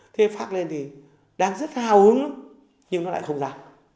thế phát lên thì đang rất hào hứng lắm nhưng nó lại không dám